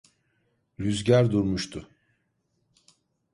Rüzgâr durmuştu.